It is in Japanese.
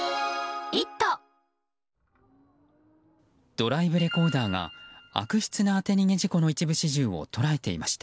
ドライブレコーダーが悪質な当て逃げ事故の一部始終を捉えていました。